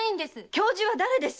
教授は誰です？